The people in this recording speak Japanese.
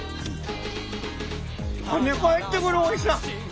跳ね返ってくるおいしさ！